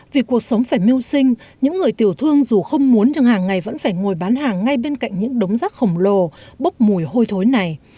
vì cuộc sống phải mưu sinh những người tiểu thương dù không muốn nhưng hàng ngày vẫn phải ngồi bán hàng ngay bên cạnh những đống rác khổng lồ bốc mùi hôi thối này